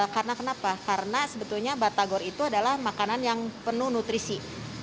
karena kenapa karena sebetulnya batagor itu adalah makanan yang penuh nutrisi